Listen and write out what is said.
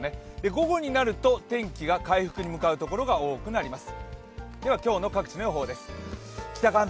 午後になると天気が回復に向かうところが多くなります。